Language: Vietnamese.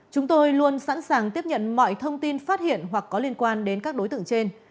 chúng tôi luôn sẵn sàng tiếp nhận mọi thông tin phát hiện hoặc có liên quan đến các đối tượng trên